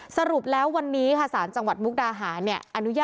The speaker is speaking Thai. สรุปแล้ววันนี้ศาลจังหวัดมุกดาหา